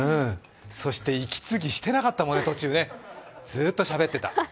そして息継ぎしてなかったもんね、ずっとしゃべってた。